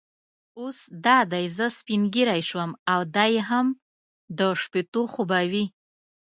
اوس دا دی زه سپینږیری شوم او دی هم د شپېتو خو به وي.